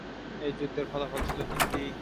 এই যুদ্ধের ফলাফল ছিল তিনটি।